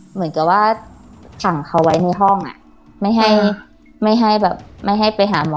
เหมือนกับว่าสั่งเขาไว้ในห้องอ่ะไม่ให้ไม่ให้แบบไม่ให้ไปหาหมอ